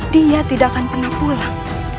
dia tidak akan pernah pulang